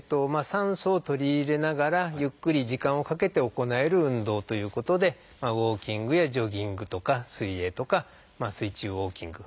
酸素を取り入れながらゆっくり時間をかけて行える運動ということでウォーキングやジョギングとか水泳とか水中ウォーキング。